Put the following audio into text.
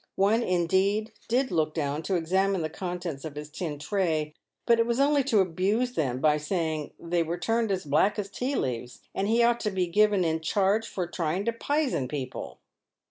One, indeed, did look dow r n to examine the contents of his tin tray, but it was only to abuse them by saying, " They were turned as black as tea leaves, and he ought to be given in charge for trying to pisen people."